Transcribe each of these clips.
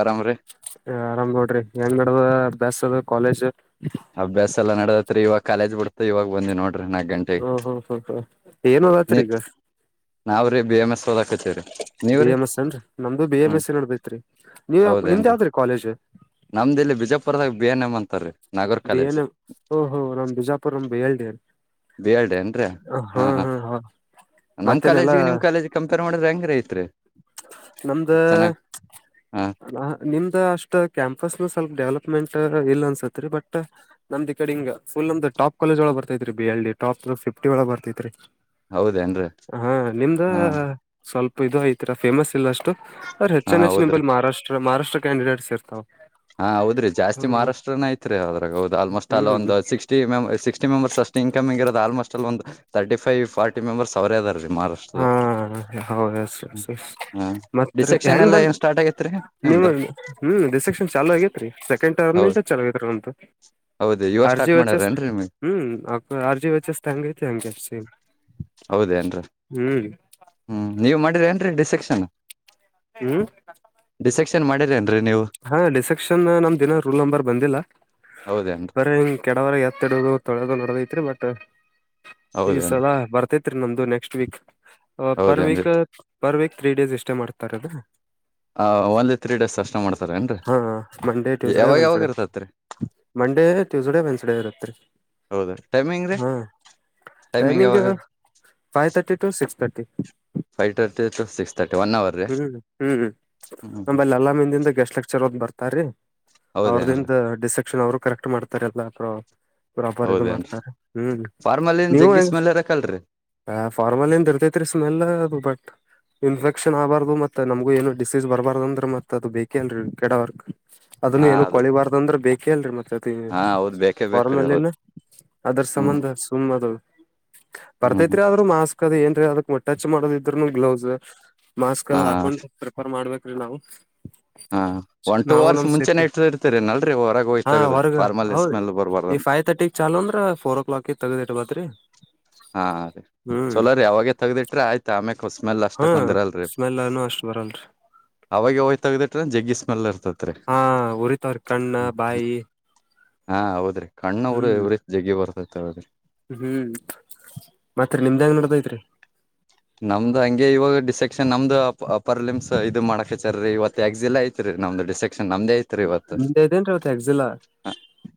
ಆರಾಮ್ರೀ ಆರಾಮ್ ನೋಡ್ರಿ ಹೆಂಗ್ಡದ ಅಭ್ಯಾಸ ಅದು ಕಾಲೇಜ್ ಅಭ್ಯಾಸ ಎಲ್ಲ ನಡದತ್ರಿ ಇವಾಗ ಕಾಲೇಜ್ ಬಿಡ್ತ ಇವಾಗ ಬಂದಿ ನೋಡಿಿ ಹಾ ಹ ಹ್ಮ ಹಾ ಏನದ ನೀ ಆತ್ರರಿ ಈಗ ನಾವ್ರೀ ಬಿ ಎಂ ಎಸ್ ಓದಾಕತ್ತೇವ್ರಿ ಬಿ ನೀವ್ರೀ ಎಂ ಎಸ್ ಅಏನ್ರಿ ನಮ್ದು ಬಿ ಎಂ ಹ್ಮ್ ಎಸ್ ನೋಡದೈತ್ರಿ ನೀ ಯ ನಿಮ್ದ್ ಹೌದೇನ್ರಿ ಯಾವ್ದ್ರೀ ಕಾಲೇಜ್ ನಮ್ದ ಇಲ್ಲಿ ಬಿಜಪುರದಾಗ ಬಿಯಾನೆ ಅಂತ ಬಿ ಎ ಓಹೋ ನಮ್ಮ್ ಬಿಜಾಪುರ ನ್ ಬಿ ಎಲ್ ಬೇಳಡೆ ಅಂದ್ರ ಹಾ ಹ ನಮ್ ಮತ್ತೇನೆಲ್ಲಾ ಕಾಲೇಜಿಗೆ ನಿಮ ಕಾಲೇಜ್ ಕಂಪೇರ್ ಮಾಡಿದ್ರೆ ಹೆಂಗ್ರ ಐತ ನಮ್ದ ಹಾ ನಿಮ್ದ ಅಷ್ಟ ಕ್ಯಾಂಪಸ್ ನ ಸ್ವಲ್ಪ ಡೆವಲಪ್ ಟ್ ಇಲ್ಲ ಅನ್ಸತ್ ರರಿ ಬಟ್ ನಮ್ದ್ ಕಡೆ ಹಿ ಫಲ್ಮ್ದ್ ಟಾಪ್ ಕಾಲೇಜ್ಳ ಬರ್ತ್ರಿ B L D top fifty ಒಳ ಬರ್ತತ್ರಿ ಹೌದೇನ್ರಿ ಹಾ ನಿಮ್ದ ಹಾ ಸ್ವಲ್ಪ ಇದು ಈತರ ಮಸ್ ಇಲ್ಲಷ್ಟು ಅ ಹಾ ಹೆಚ್ಚಿನ ಹೆಚ್ ಹೌದ್ರಿ ನಿಲ್ಲಿ ಮಹಾರಾಷ್ಟ್ರ ಮಹಾರಾಷ್ಟ್ರ ಕ್ಯಾಂಡಿಡೇಟ್ಸ್ ಇರ್ತಾವವು ಹಾ ಹೌದ್ರಿ ಜಾಸ್ತಿ ಮಹಾರಾಷ್ಟ್ರನ ಐತ್ರಿ ಅದ್ರಾಗ ಹೌದು ಆಲ್ಮೋಸ್ಟ್ ಅಲ್ಲ ಹ್ಮ್ ಒಂದು ಸಿಕ್ಸ್ಟಿ ಸಿಕ್ಸ್ಟಿ ಮೆಂಬರ್ಸ್ ಅಷ್ಟ ಷ್ಟ ಇನ್ಕಮ್ ಇರೋದು ಆಲ್ಮೋಸ್ಟ್ ಅಲ್ಲಿ ಒಂದು ತರ್ಟಿ ಫವ್ ಫಾರ್ಟಿ ಮೆಂಬರ್ಸ್ ಅವರೇ ಅದ ರ ಮಾರಾಷ್ಟ್ರದ ಹ ಹೌ ಎಸ್ ಎ ಮ ಡಿಸೆಕ್ಷನ್ ಹೆಂಗ ಎಲ್ಲಾ ಬಂದ ಏನ್ ಸ್ಟಾರ್ಟ್ ಆಗೇತ್ರಿ ಹ್ಮ ನಿಮ್ದು ರಿಸೆಕ್ಷನ್ ಚಾ ಆಗೇತ್ ಸೆಕೆಂಡ್ ಟರ್ ಹೌದ್ ಚ ಆಐತ್ರಿ ಅಂತು ಹೌದು ಇವ ಅರ್ಜಿ ಸ್ಟಾರ್ಟ್ ವಚಸ್ ಮಾಡ್ಯಾರೇನ್ರಿ ನಿಮಗ್ ಹ್ಮ್ ಅ ಅರ್ಜಿ ವಚ ಹೆಂಗ ರತಿ ಹೆಂಗೆ ಸಿ ಹೌದೇ ಏನ್ರ ಹ್ಮ್ ನೀವು ಮಾಡಿದ್ರ ಏನ್ರರಿ ಡಿಸೆಕ್ಷನ್ ಹ್ಮ್ ಮಾಡಿದೇ ಹಾ ಡಿಸೆಕ್ಷನ್ ನಮ್ದ ದಿನ ರೂಲ್ ನಂಬರ್ ಬಂದಿಲ್ಲ ಹೌದೇನ್ರಿ ಬರ ಹ ಕೆಡವರ ಎತ್ತಡುದು ತೊಳದು ನೋಡದಐತ್ರಿ ಬಟ್ ಈ ಹೌದೇನ್ರಿ ಸಲ ಬರ್ತೇತ್ರಿ ನಮ್ದು ನೆಕ್ಸ್ಟ್ ವೀಕ್ ಪರ್ ಹೌದೇನ್ರಿ week per week three days ಎಷ್ಟೇ ಮಾಡ್ತಾರೆ ಅದ್ರ ಹ ಒಂದ ತ್ರೀ ಡೇಸ್ ಕಷ್ಟ ಮಾಡ್ತಾರೆ ಹಾ ಮಂಡೇ ಟ್ಯೂಸ್ಡೇ ವೆನ್ಸ್ಡೇ ಇರ್ತತ್ರಿ ಮಂಡೇ ಟ್ಯೂಸ್ಡೇ ವೆನ್ಸ್ಡೇ ಇರುತ್ರಿ ಹೌದ ಟೈಮಿಂಗ್ ರೀ ಹಾ timing five thirty to six thirty ಫೈರ್ತ ಸಿಕ್ಸ್ ತರ್ಟಿ ಒನ್ ಅವರ್ ರೀ ಹ್ಮ್ ಹ್ಮ್ ಹ್ಮ್ ನಂಬಲ್ಲಿ ಅಲ್ಲಾಮಿಂದಿಂದ ಗೆಸ್ಟ್ ಲೆಕ್ಚರ್ ಹದ್ ಬರ್ತಾರೀ ಹೌದೇನ್ರಿ ಅವ್ರದಿಂದ ಡಿಸೆಕ್ಷನ್ ಅವರು ಕರೆಕ್ಟ್ ಮಾಡ್ತಾರ ಅಲ್ಲ ಅ ಪ್ರಾಪರ್ ಇದು ಹೌದೇನ್ರಿ ಮಾಡ್ತಾರೆ ಹ್ಮ್ ಫಾರ್ಮಲ್ಲಿನ್ ನೀವು ಜಗ್ಗಿ ಹೆಂಗ ಸ್ಮೆಲ್ ಇರಕಲ್ರರಿ ಹ ಫಾರ್ಮಲ್ ದ ಇರ್ತೇತ್ರಿ ಸ್ಮೆಲ್ ಅದು ಬಟ್ ಇನ್ಫೆಕ್ಷನ್ ಆಬಾರ್ದು ಮತ್ತತ್ ನಮಗು ಏನ ಡಿಸೀಸ್ ಬರ್ಬಾರ್ದ ಅ್ರ ಮತ್ತತ್ ಅದು ಬೇಕೇನ್ರರಿ ಕೆಡವರ್ಕ್ ಅದನ್ನ ಹಾ ಏನು ಅದು ಕೊಳಿಬಾರ್ದ ಅಂದ್ರೆ ಬೇಕೇ ಅಲ್ರರಿ ಮತ್ತೆ ಜತಿ ಹಾ ಹೌದ್ ಬೇಕೇ ಫಾರ್ಮ್ ಬೇಕ್ರಿ ಹೌದ್ ಅಲ್ಲಿನ ಅದರ ಹ್ಮ್ ಸಂಬಂಧ ಸುಮ್ ಅದು ಹ್ಮ್ ಬರ್ತೈತ್ರಿ ಆದ್ರೂ ಮಾಸ್ಕ್ ಅದ್ ಏನ್ರಿ ಅದಕ್ ಟಚ್ ಮಾಡದ ಇದ್ರುನು ಗ್ಲೌಸ್ ಮಾಸ್ಕ್ ಹಾಕೊಂಡು ಪ್ರಿಪರ್ ಮಾಡ್ಬೇಕ್ರೀ ನಾವು ಹ ಹ ಒನ್ ಟೂ ನಾವು ಅವರ್ಸ್ ನಮ್ ಮುಂಚೆನೆ ಸೇಫ್ಟಿ ಇ ಇರ್ತರಿ ನಲ್ರಿ ಹೊರಗೆ ಹಾ ಹೋಯ್ತಗದು ರ್ಮಲ್ ಸ್ಮೆಲ್ ಬರ್ಬಾರ್ದ ಗ ಚಾ ಅ್ರ ಓ ಕ್ಲಾಕ್ ತಗದೇಟ್ ಬತ್ರಿ ಹಾ ರೀ ಚಲೋ ರೀ ಅವಾವಾಗೆ ತಗ್ದಿಟ್ರೆ ಆಯ್ತಾ ಆಮ್ಯಕ್ ಸ್ಮೆಲ್ ಹಾ ಅಷ್ಟಕ್ಂದಿರಲ್ರಿ ಸ್ಮೆಲ್ ಅನು ಅಷ್ಟ್ ಬರಲ್ರಿ ಅವಾಗ ಹೋಯ್ ತಗ್ದಿಟ್ರ ಜಗ್ಗಿ ಸ್ಮೆಲ್ ಇರ್ತದ ಹಾ ಉರಿತವರ್ ಕಣ್ಣ ಬಾಯಿ ಹಾ ಹೌದ್ರಿ ಕಣ್ಣವರು ಹ್ಮ್ ಇವ್ರೀತಿ ಜಗಿ ಬರ್ತೈತೆ ಹೌದ್ರಿ ಹ್ಮ್ ಮತ್ರಿ ನಿಮ್ದ್ಯಾಂಗ ನಡದೈತ್ರಿ ನಮ್ದ್ ಹಂಗೆ ಇವಾಗ ಡಿಸೈ ನ್ ನಮ್ದು ಪರ್ಲಿಮ್ಸ್ ಇದು ಮಾಡೋಕ್ ಹಾರ ರೀ ಇವತ್ತು ಎಕ್ಸ್ ಎಾ ಐತ್ ರರಿ ನಮ್ದು ಡಿಸೆ ಮುಂದೆ ಇದ್ದೇನ್ ಅವತ್ ಯಗ್ ಜಿಲ್ಲಾ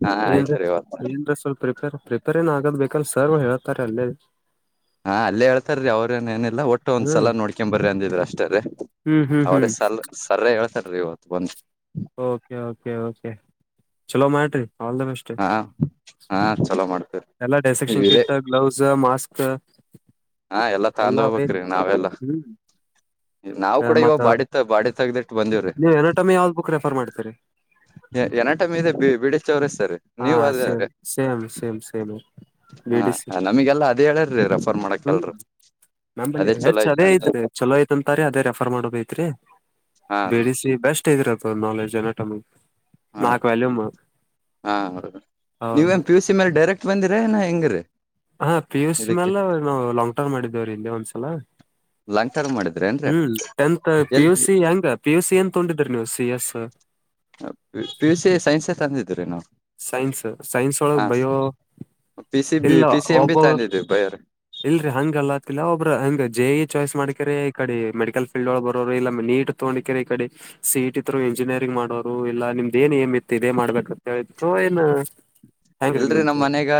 ಹಾ ಏನ್ ಐತ್ರಿ ಇವತ್ತು ಏನ ಸ್ವಲ್ಪ ಪ್ರಿಪೇರ್ ಪ್ರಿಪೇರ್ ಏನ್ ಆಗದ ಬೇಕಲ್ ಸರ್ ಹೇಳ್ತಾರೆ ಅಲ್ಲೇ ಹಾ ಅಲ್ಲೇ ಹೇತಾರ ರೀ ಅವ್ರೇಏ ಏನಿಲ್ಲ ಒಟ್ಟು ಹ್ಮ್ ಒಂದ್ಸಲ ನೋಡ್ಕೊ ಬರ್ರಿ ಅಂದಿದ್ರಿ ಅಷ್ಟ್ರೀ ಹ್ಮ್ ಹ್ಮ್ ಅವ್ರ ಹ್ಮ್ ಸರ್ ಸರ ಹೇಳ್ತಾರೀ ಇವತ್ತು ಬಂದು ಓಕೆ ಕೆ ಓಕೆ ಚಲೋ ಮಾಡಟ್ರರಿ ಹಾ ಹಾ ಚಲೋ ಮಾಡ್ತೇವಿ ಎಲ್ಲ ಡಸೆಕ್ಷನ್ ಕಿಟ್ ಗ್ಲೌಸ್ ಮಾಸ್ಕ್ ಹಾ ಎಲ್ಲಾ ತಂದ ಹೋಗ್ಬೇಕ್ರೀ ನಾವೆಲ್ಲಾ ಹ್ಮ್ ನಾವವು ಕೂಡ ಮತ್ತ ಇವಾಗ ಬಾಡತ್ತ ಬಾಡ ನೀವ್ ಎನಟಮ್ಮಿ ಯಾವ್ದ್ ಬುಕ್ ರೆಫರ್ ಮಾಡ್ತೀರಿ ಎನಟಮಿ ಇದೆ ಬಿ ಬಿಡಿ ಚೌರಸ್ತರಿ ಹಾ ನೀವ್ ಸೇಮ್ ಆದಿದ್ರ ಸೇಮ್ ಸೇಮ್ ಸೇಮ್ ಬಿ ಹಾ ಡಿ ಸಿ ನಮಗೆಲ್ಲ ಅದೇ ಹೇಳ್ರೀ ರೆಫರ್ ಮಾಡಕ್ ಹ್ಮ್ ಎಲ್ರು ನಮಲಿ ಅದೇ ಚಲೋ ಹೆಚ್ಚ ಐತೆ ಅದೇ ಅಂತ ಐತ್ರಿ ಚಲೋ ಐತಂತಾರೀ ಅದೇ ರೆಫರ್ ಮಾಡಬೇಕ ಐತ್ರಿ ಹಾ ರೀ ಬೇಡಿಸಿ ಬೆಸ್ಟ್ ಇದರತ ನಾಲೆಜ್ ಎನಟಮಿ ಹಾ ನಾಕ್ ವ್ಯಾಲ್ಯೂಮ್ ಹಾ ಹೌದು ನೀವ ಹೌದ್ರಿ ಪಿ ಯು ಸಿ ಮೇಲೆ ಡೈರೆಕ್ಟ್ ಬಂದಿರ ಎಂಗ್ರ ಹಾ ಪಿ ಯು ಸಿ ಹಾಲ್ಲ ನಾವು ಲಾಂಗ್ ಟರ್ಮ್ ಮಾಡಿದ್ದೇವ್ರೀ ಹಿಂದೆ ಒಂದ್ಸಲ ಲಾಂಗ್ ಟರ್ಮ್ ಮಾಡಿದ್ರ ಏನ್ರೀ ಹ್ಮ್ tenth P L U C ಹೆಂಗ ಪಿ ಯು ಸಿ ಏನ್ ತೊೊಂಡಿದ್ರ ನೀವು C S P U C science ತಂದಿದೀ್ರೀ ನಾವು ಸೈನ್ಸ್ ಸೈನ್ಸ್ ಒಳಗೆ ಹಾ ಬಯೋ ಪಿ ಸಿ ಬಿ ಇಲ್ಲ ಪಿ ಸಿ ಎಂ ಬಿ ಒಬ್ಬೊ ತಂದಿದ್ವಿ ಬಯರ್ ಇಲ್ರರಿ ಹಂಗ ಅಲ್ಲತ್ಲ್ಲಾ ಒಬ್ಬ್ರ ಹಂಗ ಜೆ ಇ ಚಾಯ್ಸ್ ಮಾಡ್ಕ್ರ ಈ ಕಡೆ ಮೆಡಿಕಲ್ ಫೀಲ್ಡ್ ಒಳ ಬರೋರು ಇಲ್ಲ ನೀಟ್ ತಗೊಂಡಕರ ಈ ಕಡೆ ಸಿ ಇಟಿರು ಇಂಜಿನಿಯರಿಂಗ್ ಮಾಡೋರು ಎಲ್ಲ ನಿಮ್ದ ಏನ್ ಏಮಿತ್ತು ಇದೇ ಮಾಡ್ಬೇಕಂತತು ಏನು ಇಲ್ರರಿ ನಮ್ ಮನೆಗ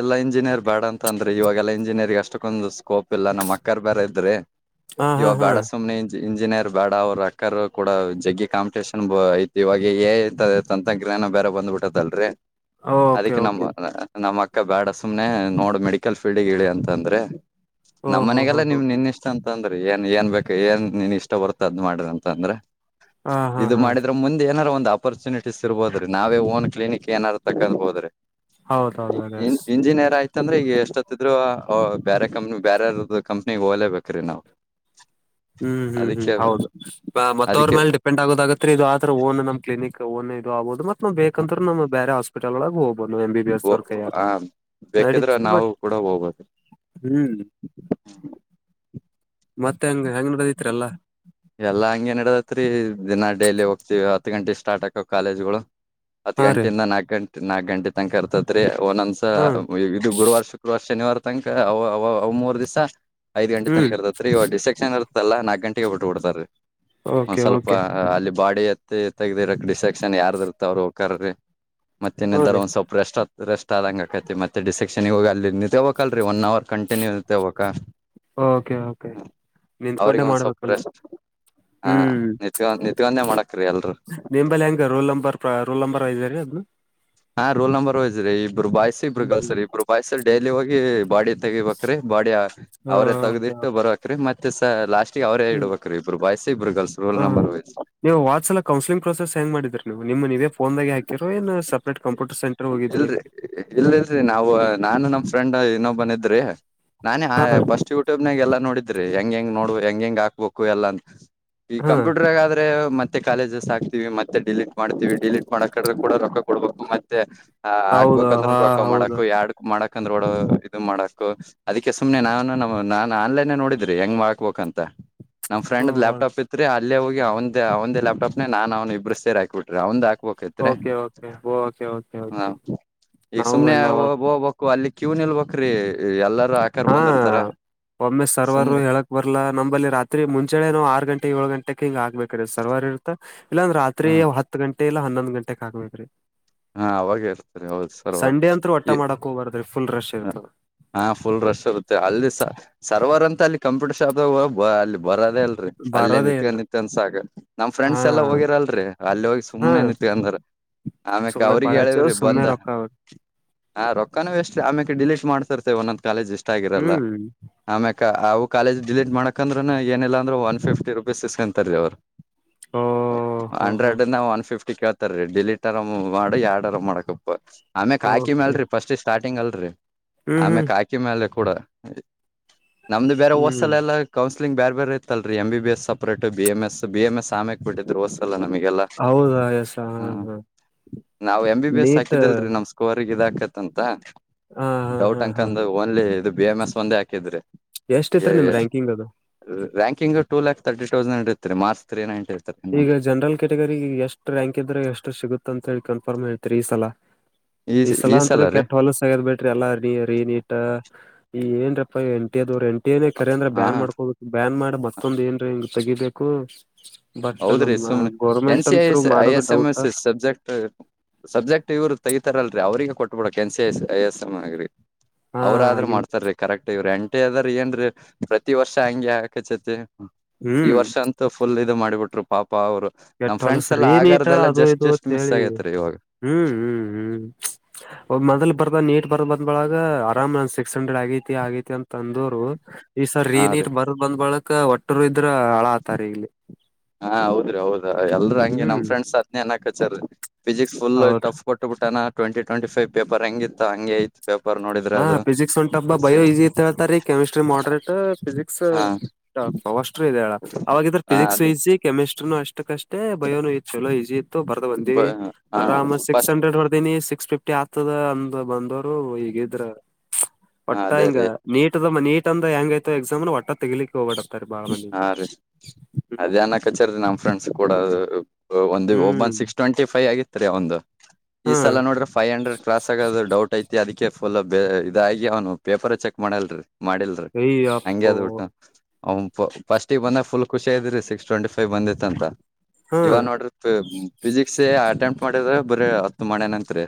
ಎಲ್ಲಾ ಇಂಜಿನಿಯರ್ ಬೇಡ ಅಂತ ಅಂದ್ರಿ ಇವಾಗೆಲ್ಲಾ ಇಂಜ ಇಂಜಿನಿಯ ಅಷ್ಟಕ್ಕೊಂದು ಸ್ಕೋಪ್ ಇಲ್ಲ ನಮ್ಮ ಅಕ್ಕರ್ ಬರ ಇದ್ರೆ ಹಾ ಇವ ಹಾ ಹಾ ಬಡ ಸುಮ್ನೆ ಇಂಜಿನಿಯರ್ ಬೇಡ ಅವರು ಅಕ್ಕರು ಕೂಡ ಜಗ್ಗಿ ಕಾಂಪಿಟೇಷನ್ ಐು ಇವಾಗ ಂತ್ರ ನಂಗೆ ಬೇರೆ ಬಂದು ಬಿದ್ದಾಡೆ ರಿ ಓಕೆ ಅದಕ್ಕೆ ನಮ್ಮ ಓಕೆ ನಮ್ಮ ಅಕ್ಕ ಬೇಡ ಸುಮ್ನೆ ನೋಡು ಮೆಡಿಕಲ್ ಫೀಲ್ಡ್ ಹೇಳಿ ಅಂತಂದ್ರೆ ಓ ಹೋ ಹೋ ನಮ್ಮ್ನೆಗೆಲ್ಲಾ ಹೋ ನಿಮ್ ನಿನ್ ಇಷ್ಟ ಅಂತ ಅಂದ್ರೆ ಏನ್ ಏನ್ ಬೇಕು ಏನ್ ನೀನ್ ಇಷ್ಟ ಬರುತ್ತ ಅದ್ ಮಾಡದಂತ ಅಂದ್ರೆ ಹಾ ಹಾ ಇದು ಹಾ ಮಾಡಿದ್ರೆ ಮುಂದೆ ಏನಾರು ಒಂದು ಅಪರ್ಚುನಿಟೀಸ್ ಇರ್ಬೋದ್ರೀ ನಾವೇ ಓನ್ ಕ್ಲಿನಿಕ್ ಏನಾರ ತಕ್ಕೊಂಡ ಹೋದ್ರೆ ಹೌದೌದು ಅದ ಇತ್ತಂದ್ರೆ ಈಗ ಎಷ್ಟೊತ್ತಿದ್ರು ಬೇರೆ ಕಂಪ್ನಿ ಬೇರೆ ಕಂಪ್ನಿಗ್ ಹೋಗ್ಲೇಬೇಕ್ರೀ ನಾವವು ಹ್ಮ್ ಹ್ಮ್ ಹ್ಮ್ ಹೌದು ಮತ್ತ ಅವ್ರ ಅದಕ್ಕೆ ಮೇಾಲಲೆ ಡಿಪೆಂಡ್ ಆಗೋದಾಗತ್ ಇದು ಆದ್ರ ಓನ್ ನಮ್ಮ್ಿನಿಕ್ ಓನ್ ಆಬಹದು ಮತ್ ನ್ ಬೇಕಂದ್ರ ನಮ್ ಬೇರೆ ಹಸ್ಪಟಲ್ಳ ಹೋಗುದು ಎಂ ಬಿಿ ಬಿಿ ಎಸ್ ವರ್ಕಾಗ ಆ ನ ಬೇಕಿದ್ರ ನಾವು ಬಟ್ ಕೂಡ ಹೋಗ್ಬೋದು ಹ್ಮ್ ಮತ್ತೆ ಹೆಂಗ ಹೆಂಗ್ ನಡದಿತ್ರಿಲ್ಲಾ ಎಲ್ಲಾ ಹಂಗೆ ನಡದತ್ರಿ ದಿನ ಡೈಲಿ ಹೋಗ್ತಿವಿ ಹತ್ತು ಗಂಟೆ ಸ್ಟಾರ್ಟ್ ಆಕ ಕಾಲೇಜ್ಗಳು ಹತ್ ಹಾ ರೀ ಗಂಟೆಯಿಂದ ನಾಕಕ್ ಗಂಟೆ ನಾಕಕ್ ಗಂಟೆ ತನಕ ಇರ್ತತ್ರಿ ಒ ನಂದಸ ಹಾ ಇದು ಗುರುವಾರ ಶುಕ್ರವಾರ ಶನಿವಾರ ತನಕ ಮೂರು ದಿವಸ ಐದ ಗಂಟೆ ಹ್ಮ್ ತನಕರ್ತತ್ರಿ ಈ ಡಿಸ್ಟೆಕ್ಷನ್ ಇರತ್ತಲ್ಲಾಕ್ ಗಂಟೆಗೆಗ್ ಬಿಟ್ಟುಬಡ್ತ ರೀ ಒಂದ್ ಓಕೆ ಸ್ವಲ್ಪ ಓಕೆ ಅಲ್ಲಿ ಬಾಡಿ ಮತ್ತ ತೆಗ್ದಿ ರಕ್ಡಿಸೆಕ್ಷನ್ ಯಾರ ಇರ್ತ ಅವ್ರರು ಹಕ್ರರಿ ಮತ್ತೆ ಹೂ ಇನ್ನದಾರ ರೀ ಒಂದ ಸ್ವಲ್ಪ ರೆಸ್ಟ್ ರೆಸ್ಟ್ ಆದಂಗ ಆಕೈತಿ ಮತ್ತೆ ಡಿಸೆಕ್ಷನ್ಗ ಹೋಗ ಅಲ್ಲಿ ತೇವಕಲ್ರರಿ ಒನ್ ಅವರ್ ಕಂಟಿನ್ಯೂ ಇವಕ ಓಕೆ ಓಕೆ ನಿತ್ಕೊಂಡೆ ಅವ್ರಿಗೆ ಒಂದ್ ಸ್ವಲ್ಪ ಮಾಡ್ಬೇಕಲ್ರರಿ ರೆಸ್ಟ್ ಹಾ ಹ್ಮ್ ನಿತ್ಕೊಂಡ್ ನಿತ್ಕೊಂಡೆ ಮಾಡಕ್ರಿ ಎಲ್ರು ನಿಂಬಳ ಹೆಂಗ rule number rule number I ಸರಿ ಅ್ದು ಹಾ ರೋಲ್ ನಂಬರ ರೀ ಇಬ್ರು ಬಾಯ್ಸ ಇಬ್ಬರು ಹ್ಮ್ ಹ್ಮ್ ಕಲ್ಸರಿ ಇಬ್ಬರು ಬಾಯ್ಸ ಡೈಲಿ ಹೋಗಿ ಬಾಡಿ ತಗಿಬೇಕ್ರೀ ಬಾಡಿ ಅವರೇ ತಗದಿ ಬರರುವಕ್ ರೀ ಮತ್ತೆ ಸ ಲಾಸ್ಟ್ ಹ್ಮ್ ಹ ರೋಲ್ ಹ ನಂಬರ್ ವೈಸ್ ನೀವು ವಾಟ್ಸ ಎಲ್ಲ ಕೌನ್ಸ್ಲಿಂಗ್ ಪ್ರೊಸೆಸ್ ಹೆಂಗ್ ಮಾಡಿದ್ರರಿ ನೀವು ನಿಮ ನೀವ ಫೋನ್ದಾಗ ಹಕಿರ ಏನು ಸಪ್ರೇ ಕಂಪ್ಯೂಟರ್ ಸೆಂ ಇಲ್ರರಿ ಇಲ್ ಇಲ್ರಿ ನಾವವು ನಾನು ನಮ್ ಫ್ರೆಂಡ್ ಇನ್ನೊಬ್ಬನ ಇದ್ರಿ ನಾನೇ ಹ ಹಾ ಫಸ್ಟ್ ಯೂಟ್ಯೂಬ್ನಾಗ ಎಲ್ಲಾ ನೋಡಿದ್ರಿ ಹೆಂಗ ಹೆಂಗ್ ನೋಡ್ ಹೆಂಗ ಹೆಂಗ್ ಹಾಕ್ಬೇಕು ಎಲ್ಲಾಂತ ಈ ಹಾ ಕಂಪ್ಯೂಟರ್ಗಾದ್ರೆ ಮತ್ತೆ ಕಾಲೇಜಸ್ ಹಾಕ್ತಿೀವಿ ಮತ್ತೆ ಡಿಲೀಟ್ ಮಾಡ್ತೀವಿ ಡಿಲೀಟ್ ಮಾಡಕ್ರೆ ಕೂಡ ರೊಕ್ಕ ಕೊಡ್ಬೇಕು ಮತ್ತೆ ಹ ಹೌದು ಆಗ್ಕ್ಬೇಕಂದ್ರ ಹಾ ರೊಕ್ಕ ಹೌದು ಮಾಡಕಕ್ ಯರಡ್ ಮಾಡಕ್ ಯಾಕಂದ್ರ ಡ ಇದು ಮಾಡಕಕ್ ಅದಕ್ಕೆ ಸುಮ್ನೆ ನಾನು ನ ನಾನ್ ಆನ್ಲೈನ್ೇ ನೋಡಿದ್ರಿ ಹೆಂಗ್ ಮಾಡಕ್ಬೇಕಕ್ ಅಂತ ನಮ್ಮ ಫ್ರೆಂಡ್ ಹ್ಮ ಯಾಪ್ಟಾಪ್ ಇತ್ ಅೇ ಹೋಗಿ ಅವಂದ ಅವಂದ ಲ್ಯಾಪ್ಟಾಪ್ ನಾ ಅವನ್ಬ್ರು ಸೇರಿ ಹಾಕ್ಬ ಬಿ್ರಿ ಅವ್ ಓಕೆ ಓಕೆ ಓಕೆ ಓಕೆ ಕ ಹ ಈಗ ಸುಮ್ನೆ ಹೋಗ್ಬೇಕು ಅಲ್ಲಿ ಕ್ಯೂ ನಿಲ್ಬ್ರೀ ಎಲ್ಲ ಹಾ ಒಮ್ಮೆ ಸರ್ವರು ಸುಮ್ನೆ ಹೇಳಕ್ ಬರ್ಲಾ ನಂಬಲ್ಲಿ ರಾತ್ರಿ ಮುಂಚಳೆನೋ ಆರ್ ಗಂಟೆ ಏಳು ಗಂಟೆ ಹಿಂಗ ಆಗ್ಬೇಕ ಸರ್ವಾರಿ ಇರ್ತ ಇಾಂದ್ರ ರಾತ್ರಿ ಹ್ಮ್ ಹತ್ತು ಗಂಟೆ ಗ ಎ ಹನ್ನೊಂದು ಗಂಟೆ ಹಗ್ಬೇದ್ರರಿ ಹಾ ಅವಾಗ ಇರ್ತರಿ ಹೌದ್ ಸರ್ ಸಂಡೆ ಅತ್ರು ಒಟ್ಟ ಈ ಮಾಡಕ್ ಹೋಗ್ಬಾರ್ದ್ರಿ ಫುಲ್ ರಶ್ ಇತ ಹಾ ಫುಲ್ ರಶ್ ಇರುತ್ತೆ ಅಲ್ಲಿ ಸರ್ವರ್ ಅಂತ ಅಲ್ಲಿ ಕಂಪ್ಯೂಟರ್ ಶಾಪ್ ಅಲ್ಲಿ ಬರೋದೇ ಅಲ್ರರಿ ಅಲ್ಲೇ ಬರೋದೇ ನಿಂತ್ಕ ಇಲ್ರಿ ನಿಂತ ಅನ್ಸಾಗ ನಮ್ಮ ಹಾ ಫ್ರೆಂಡ್ಸ್ ಎಲ್ಲಾ ಹೋಗಿರಲ್ರರಿ ಅಲ್ಲಿ ಹೋಗಿ ಹಾ ಸುಮನೆ ನಿಂತ ಂದ್ರ ಆಮ್ಯಕ ಸುಮ್ಮನೆ ಅವ್ರಿಗೆ ಪಾಳಚು ಹೇಳೇವ್ರಿ ಸುಮ್ಮನೆ ಬಂದ ರೊಕ್ಕ ಹಾ ರೊಕ್ಕನೂ ಎಷ್ಟ ಆಮ್ಯಕ್ ಡಿಲೀಟ್ ಮಾಡ್ತಿರ್ತೆೇವೆ ಒಂದೊಂದ್ ಕಾಲೇಜ್ ಇಷ್ಟ ಆಗಿರಲ್ಲ ಹ್ಮ್ ಆಮ್ಯಕ್ ಅವು ಕಾಲಜ್ ಡಿಲೀಟ್ ಮಾಡಕ ಅಂದ್ರನು ಏನಿಲ್ಲ ಅಂದ್ರೆ ಒನ್ ಫಿಫ್ಟಿ ರುಪೀಸ್ ಸಿಸ್ಕೊಂತರ್ೀ ಅವರು ಓ ಹೋ ಹೋ ಅಂಡ್ರೆಡ್ನ್ನ ಒನ್ ಫಿಫ್ಟಿ ಕೇಳ್ತಾರೀ ಡಿಲೀಟ್ ಹರ ಮಾಡಿ ಎರಡರ ಮಾಡಕಪ್ಪ ಆಮೇಕ್ ಕಾಕಿ ಓಕೆ ಮ್ಯಲ್ರಿ ಫಸ್ಟ್ ಸ್ಟಾರ್ಟಿಂಗ್ ಅಲ್ರರಿ ಹ್ಮ್ ಆಮೇ ಹ್ಮ್ ಕಾಕಿ ಮ್ಯಾಲ ಕೂಡ ನಮ್ದು ಬೇರೆ ಹ್ಮ್ ಹೊಸ್ಸಲ್ಲ ಎಲ್ಲ ಕೌ ಬೇರೆ ಬೇರೆ ಇತ್ತಲ್ ರರಿ A B S separate B M S B M S ಆಮೆಕ್ ಬಿಟ್ಟಿದ್ರುಸ್ಸಲ್ಲ ನಮಗೆ ಹೌದಾ ಎಸ ಹಾ ಹಾ ನಾವ್ M B B S NEET ಹಾಕಿದಲ್ರಿ ನಮ್ ಸ್ಕೋರ್ಗ್ ಇದಾಕತ್ಂತ ಹಾ ಹಾ ಹಾ ಡೌಟ್ ಹಾ ಅಕಂದ ಓನ್ಲಿ ಇದು ಬಿ ಎಮ್ ಎಸ್ ಒಂದೇ ಹಾಕಿದ್ರಿ ಎಷ್ಟ ತ್ರರಿ ನಿಮ್ ರ್ಯಾಂಕಿಂಗ್ ಅದು ಹ ಟ ಲ್ಾಕ್ ತರ್ಟ ತೌಸಂಡ್ ಇರ್ತ ಮಾರ್ಚ್ ತ್ರೀ ನೈಟ ಈಗ ಜನರಲ್ ಕ್ಯಾಟಗರಿಗೆ ಎಷ್ಟು ರ್ಯಾಂಕ್ ಇದ್ರೆ ಎಷ್ಟು ಸಿಗುತ್ತ ಅಂತ ಹೇಳಿ ಕನ್ಫರ್ಮ್ ಹೇಳ್ತೀರಿ ಈ ಸಲ ಈ ಸಲ ಅತ್ರ ಕೆಟ್ಟ ಹೊಲ ಸಗದ್ ಬಿಟ್ರಿ ಎಲ್ಲ ರೀ ನೀಟ ಈ ಏನ್ ಎ ಟಿ ದವ್ರು ಎ ಟಿಏೇ ಕರೆ ಅಂದ್ರೆ ಹಾ ಬ್ಯಾನ್ ಮಾಡ್ಕೋಬೇಕ ಬ್ಯಾನ್ ಮಾಡ ಮತ್ತೊಂದ ಏನ್ರಿಿಂಗ್ ತೆಗಿಬೇಕು ಬಟ್ ಹೌದ್ರಿ ನಮ್ಮ ಸುಮ್ನೆ ಎನ್ ಗೋರ್ಮೆಂಟ್ ಸಿ ಐ ಅಂತರು ಎಸ್ ಐ ಮಾಡೋದು S M doubt S subject subject ಇವ್ರು ತಗಿತತಾರಲ್ರಿ ಅವ್ರಿಗೆ ಕೊಟ್ಬಿಡ ಕೆನ್ ಸಿ ಐ ಎಸ್ ಎಂ ಆಗ್ರಿ ಹಾ ಅವ್ರಾದ್ರರು ಇವ್ ಮಾಡ್ತಾರೀ ಕರೆಕ್ಟ್ ಇವ್ರ ಎಂಟು ಅದ್ರ ಏನ್ೀ ಪ್ರತಿ ವರ್ಷ ಹಂಗೆ ಹಾಕಚ್ಚತಿ ಈ ವರ್ಷ ಅಂತೂ ಫುಲ್ ಇದು ಮಾಡಿಬಿಟ್ಟು ಕೆಟ್ರಲ್ ಸರಿೀ ನೀಟ ಆಗಾರ್ದೆಲ್ಲ ಅದು ಜಸ್ಟ್ ಇದು ಜಸ್ಟ್ ಅತ್ ಮಿಸ್ ಹೇಳಿ ಆಗೇತ್ರಿ ಇವಾಗ ಹ್ಮ್ ಹ್ಮ್ ಹ್ಮ್ ಒಬ್ ಮೊದಲ್ ಬರ್ದ ನೀಟ್ ಬರ್ ಬಂದ ಬಳಗ ಆರಾಮ್ ನ ಸಿಕ್ಸ್ ಹಂಡ್ರೆಡ್ ಆಗೈತಿ ಆಗೈತಿ ಅಂತ ಅಂದ್ರು ಈ ಸರ್ ಹಾ ರೀನ್ ರೀ ಇಟ್ ಬರದ್ ಬಂದ್ ಬಳಕ ಒಟ್ಟರು ಇದ್ರ ಹಳ ಆತಾರ ಇಲ್ಲಿ ಹಾ ಹೌದ್ರಿ ಹೌದ ಎಲ್ರ ಹಂಗೆ ನಮ ಹ್ಮ್ ಫ್ರೆ್ಸ್ ಹದನೇನ್ಕ್ ಹಚಾರರಿ ಫಿಸಿಿಕ್ಸ್ ುಲ್ ಹೌದ್ರಿ ಟಫ್ ಕೊಟ್ಟಬ ಬಿಟ್ಟಾನ ಟ್ಂಟಿ ಟ್ವೆಂಟ ೈವ್ ಪೇಪರ್ ಹೆಂಗಿತ್ತು ಹಂ ಐತ್ ಪೇಪರ್ ನೋಡಿದ್ರೆ ಹಾ ಅದು ಫಿಸಿಕ್ಸ್ ಒಂದ ಟಫ ಬ ಬಯೋಲಿಜಿ ಇತ್ೇತಾರಿೀ ಕೆಮಿಸ್ಟ್ರಿ ಮಾಡ್ರೇಟ್ ಫಿಸಿಕ್ಸ್ ಹಾ ಟಫ ಅವಷ್ಟ ಹೇಳ ಅವಾಗ ಇದ್ರ ಹಾ ಅದೇ ಫಿಸಿಕ್ಸ್ಹಿಸಿ ಕಮಿಸ್ಟ್ರಿನನು ಅಷ್ಟ ಇಷ್ಟಷ್ಟೇ ಬಯೋನು ಇತ್ತು ಚಲೋ ಈಜಿ ಇತ್ತು ಬರೆದು ಬಂದಿವವಿ ಹಾ ಆರಾಮ್ ಸಿಕ್ಸ್ ಫಸ್ಟ್ ಹಂಡ್ರೆಡ್ ಬರ್ದೀಿನಿ ಸಿಕ್ಸ್ ಫಿಫ್ಟಿ ಟ್ಟಿ ಆತದ ಅಂದ ಬಂದವರು ಇದ್ರ ಹಾ ಒಟ್ಟಾ ಅದೇ ಹಿಂಗ ರೀ ನೀಟ್ ನೀಟ್ ಅಂದ ಹೆಂಗೈತ ಎಕ್ಸಾಮ್ ಒಟ್ಟ ತೆಗಲಿಕ್ಕೆ ಹಾ ರೀ ಹ್ಮ್ ಅದಾನ ಕಚರಿರಿ ನಮ್ ಫ್ರೆಂಡ್ಸ್ ಕೂಡ ಒ ಒಬ್ಬನ್ ಸಿಕ್ಸ್ ಟ್ವೆಂಟಿ ಫೈವ್ ಆಗಿತ್ ರರಿ ಒಂದು ಈ ಸಲ ನೋಡ್ರೆ ೈವ್ ಹಂಡ್ರೆಡ್ ಕ್ರಾಸ್ ಆಗೋದು ಡೌಟ್ ಐತು ಅದಕ್ಕೆ ಫುಲ್ ಇದಾಗಿ ಅವ್ನು ಪೇಪರ್ ಚೆಕ್ ಮಾಡಲ್ರರಿ ಮಾಡಿಲ್ರಿ ಹಂಗಗೆ ಅದು ಊಟು ಅವ್ ಫಸ್ಟಿಗೆ ಬಂದ ಫುಲ್ ಖುಷಿ ಇದ್ರರಿ ಸಿಕ್ಸ್ ಟ್ವೆಂಟಿ ಫೈ್ ಬಂದಿತ್ ಅಂತ. ಹಾ. ಇವ ನೋಡ್ರಿ ಫಿಸಿಕ್ಸ್ ಅಟೆಂಪ್ಟ್ ಮಾಡಿದ್ರ ಬರ ಹತ್ತು ಮಡ್ಯಾನತ್ರಿ.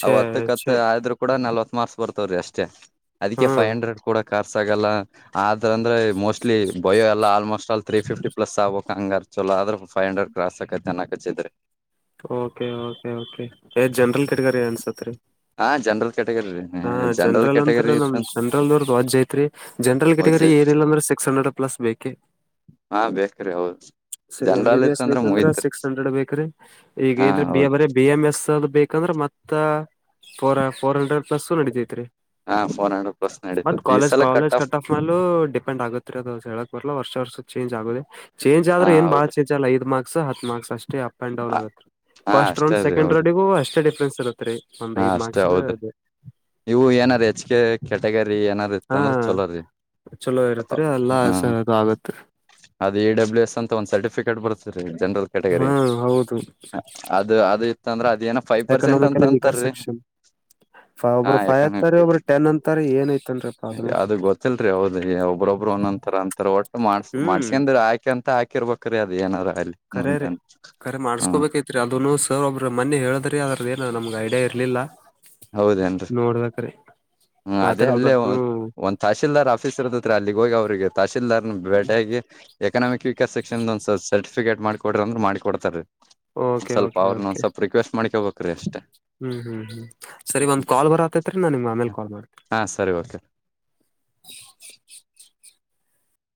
ಛೇ! ಅವ್ ಹತ್ತಕ್ ಹತ್ ಛೇ! ಆದ್ರರು ಕೂಡ ನಲ್ವತ್ ಮಾರ್ಕ್ಸ್ ಬರ್ತವ್ರೀ ಅಷ್ಟೇ ಹಾ. ಅದಕ್ಕೆ ಫೈ್ ಹಂಡ್ರೆಡ್ ಕೂಡ. ಕರ್ಸಗಲ್ಲ ಆದ್ರ ಅಂದ್ರೆ ಮೋಸ್ಟ್ಲಿ ಬಯೋ ಎಲ್ಲ almost all three fifty plus ಆಬೇಕ ಹಂಗರ್ ಚೋ ಆದ್ರೆ ಫೈ ಹಂಡ್ರೆಡ್ ಕ್ರಾಸ ಅಗೈತಿ ಜನಕ್ಕ. ಅಚ್ ಇದ್ರಿ ರಿ. ಓಕೆ ಕೆ ಓಕೆ ಎನ್ ಜನ್ರಲ್ ಕೆಟಗರಿ ಅನ್ಸತ್ ರಿ. ಹಾಂ ಜನ್ರಲ್. ಹಾ ಜನ್ರಲ್ ಅಂತ್ರ ನಮ್ ಜನ್ರಲ್ ನೋರ್ದ ವಾಜ್ ಐತ್ರಿ ಜನರಲ್ ಇತ್ತಂತ ಕೆಟಗರಿ ಏನಿಲ್ಲ ಅಂದ್ರೆ ಸಿಕ್ಸ್ ಹಂಡ್ರೆಡ್. ಪ್ಲಸ್ ಬೇಕೆ. ಹಾ ಬೇಕ್ರಿ ಹೌದು. M B general B S ಇತ್ತಂದ್ರ ಬೇಕಂದ್ರ ಮುಗತ್ರಿ ಸಿಕ್ಸ್ ಹಂಡ್ರೆಡ್ ಬೇಕ್ರೀ ಈಗ ಹಾ ಏನ್ರೀ ಬಿಎ ಹೌದು ಬರೆ ಬಿ ಎಂ ಎಸ್. ಬೇಕಂದ್ರೆ ಮತ್ತ ಫೋರ್ ಫೋರ್ ಹಂಡ್ರೆಡ್ ಪ್ಲಸ್ಸ ನಡಿತೈತ್ರಿ. ಹಾ ಫೋರ್ ಹಂಡ್ರೆಡ್. ಪ್ಲಸ್ ಬಟ್ ನಡೀತದ ಈ ಕಾಲೇಜ್ ಸಲ ಕಾಲೇಜ್ ಕಟ್ ಆಫ್ ಮೇೂ ಡಿಪೆಂಡ್ ಆಗತ್ ಅದು ಹೇಳಕ್ ಬರ್ಲಾ ವರ್ಷ ವರ್ಷದ ಚೇಂಜ್ ಆಗುದೆ. ಚೇಂಜ್ ಆದ್ರೆ ಹಾ ಏನ್ ಬಾಳ ಹೌದ್ರಿ ಚೇಂಜ್ ಆಗಲ್ಲ ಐದ ಮಾರ್ಕ್ಸ್ ಹತ್ ಮಾರ್ಕ್ಸ್ ಅಷ್ಟು. ಅಪ್ ಅಂಡ್ ಡೌನ್ ಆತ್ ಹಾ ಫಸ್ಟ್ ರೌಂಡ್ ಅಷ್ಟೇ ರೀ ಸೆಕಂಡ್ ಹೌದು ರೌಂಡಗ ಅಷ್ಟೇ ಡಿಫ್ರೆನ್ಸ್. ತ್ರಿ ಒಂದ್ ಹಾ ಐದ್ ಅಷ್ಟೇ ಮಾರ್ಕ್ಸ್ ಹೌದ್ರಿ ಅದು. ಇವು ಏನಾರ್ ಹೆಚ್ ಕೆ ಕ್ಯಾಟಗರಿ ಏನಾದ್ ಇತ್ತು ಹಾ ಅಂದ್ರೆ ಚಲೋರಿ. ಚಲೋ ಇರತ್ರಿ ಎಲ್ಲಾಸೆದು ಆಗತ್ರಿ. ಅದು ಎ ಡಬ್ಲ್ಯೂಸ್ ಅಂತ ಒಂದು ಸರ್ಟಿಫಿಕೇಟ್ ಬರ್ತೀರಿ. ಜನರಲ್ ಹಾ ಕ್ಯಾಟಗರಿ ಹೌದು ಅದು ಅದು ಇತ್ತ ಅಂದ್ರೆ ಅದ ಏನ ಫೈವ್ ಪರ್ಸೆಂಟ್ ಅಂತ. ಕರ್ ಅಂತಾರೀ ಸೆಕ್ಷನ್. ಹಾ ಒಬ್ರು ಫೈವ್ ಯಾಕಂಗ ಅಂತಾರ ಒಬ್ಬರು ಟೆನ್ ಅಂತಾರ ಏನ ಐತನ್ರಿಪ್ಪ ಅದ್ಮೇ. ಒನ್ತರ ಅಂತ ಒಟ್ಟು ಮಾಡ್ಸ ಮಾಡ್ಸ್ಕ್ರ ಹಾಕೆ ಅಂತ ಹಾಕಿರ್ಬೇಕ್ರೀ ಅದ ಏನಾರ. ಅಲ್ಲಿ ಕರೆ ರೀ ಮುಂದೆ ಕರೆ ಹಾ ಮಾಡ್ಸ್ಕೊಬೇಕೈತ್ರಿ ಅದೂ ಸರ್ ಒಬ್ಬ್ರ ಮನ್ನೆ ಹೇಳದ್ರಿ ಅದ್ದ ಏನ ನಮ್. ಐಡಿಯ ಇರ್ಲಿಲ್ಲ ನೋಡಬೆಕ್ರಿ. ಹ್ಮ್ ಅದೇ ಅಲ್ಲೇ. ಒಂದ್ ತಹಶೀಲ್ದಾರ್ ಆಫೀಸ್ ಇರ್ದತ್ರ ಅಲ್ಲಿಗ್ ಹೋಗಿ ಅವ್ರರಿಗೆ ತಹಶೀಲ್ದಾರ್ನ ಬೇಟೆಯಗಾಗಿ ಎಕನಾಮಿಕ್. ಕರ್ಸೆಕ್ಷನ್ ಒಂದ ಸರ್ಟಫಿಕೇಟ್ ಮಾಡಿ ಕೊಡ್ರಿ ಮಾಡಿ ಕೊಡ್ತಾರೀ. ಒಂದ್ ಓಕೆ ಸ್ವಲ್ಪ ಓಕೆ ಅವ್ರನ್ನ ಓಕೆ ಒಂದ್ ಸ್ವಲ್ಪ ರಿಕ್ವೆಸ್ಟ್ ಮಾಡ್ಕೊಬೇಕ್ರಿ ಅಷ್ಟೆ. ಹ್ಮ್ ಹ್ಮ್ ಹ್ಮ್ ಸರಿ ಒಂದ್ ಕಾಲ್ ಬರತತ್ರಿ ನಾ ನಿಮ್ಗ ಆಮೇಲ್ ಕಾಲ್ ಮಾಡ್ತಿ. ಹಾ ಸರಿ ಓಕೆ